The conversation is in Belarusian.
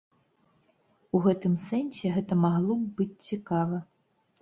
У гэтым сэнсе гэта магло б быць цікава.